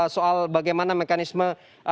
soal bagaimana mekanisme